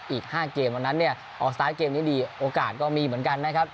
อีก๕เกมวันนั้นเนี่ยออกสตาร์ทเกมนี้ดีโอกาสก็มีเหมือนกันนะครับ